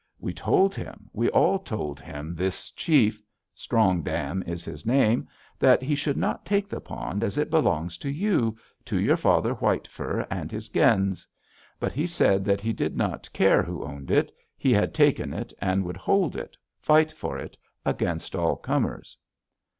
We told him, we all told him, this chief, Strong Dam is his name, that he should not take the pond, as it belongs to you, to your father, White Fur, and his gens. But he said that he did not care who owned it, he had taken it, and would hold it, fight for it against all comers.'